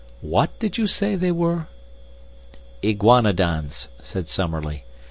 WHAT did you say they were?" "Iguanodons," said Summerlee.